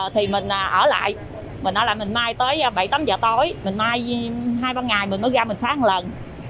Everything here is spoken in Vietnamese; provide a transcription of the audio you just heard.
thì mình ở lại mình ở lại mình may tới bảy tám h tối mình may hai ba ngày mình mới ra mình phát một lần